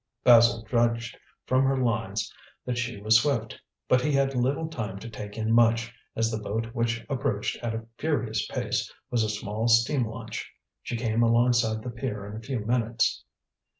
Basil judged from her lines that she was swift. But he had little time to take in much, as the boat which approached at a furious pace was a small steam launch. She came alongside the pier in a few minutes.